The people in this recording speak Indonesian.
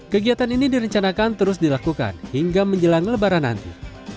kegiatan ini direncanakan terus dilakukan hingga menjelang lebaran nanti